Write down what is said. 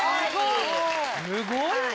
すごいね。